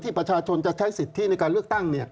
ประชาชนจะใช้สิทธิในการเลือกตั้ง